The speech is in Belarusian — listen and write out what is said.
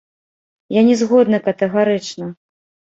Я не згодны катэгарычна.